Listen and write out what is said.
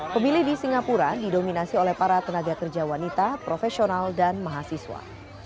pemilih di singapura didominasi oleh para tenaga kerja wanita profesional dan mahasiswa